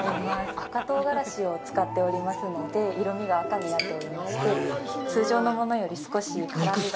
赤唐辛子を使っておりますので、色味が赤になっておりまして、通常のものより少し辛みが。